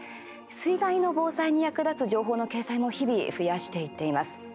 水害の防災に役立つ情報の掲載も日々、増やしていっています。